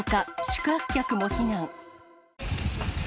宿泊客も避難。